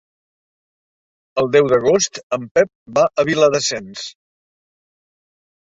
El deu d'agost en Pep va a Viladasens.